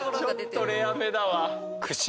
ちょっとレアめだわ。